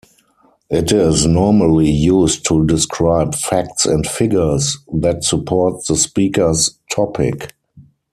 It is normally used to describe facts and figures that support the speaker's topic.